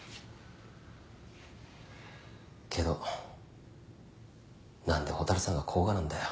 けど何で蛍さんが甲賀なんだよ。